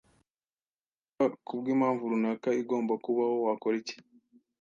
Niba kubwimpamvu runaka igomba kubaho, wakora iki?